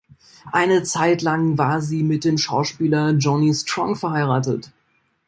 Eine Zeit lang war sie mit dem Schauspieler Johnny Strong verheiratet.